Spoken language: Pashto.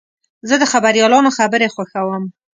زه د خبریالانو خبرې خوښوم.